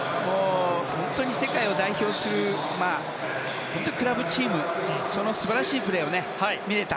本当に世界を代表するクラブチームの素晴らしいプレーが見られた。